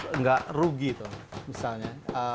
enggak rugi tuh misalnya